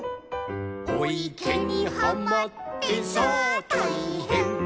「おいけにはまってさあたいへん」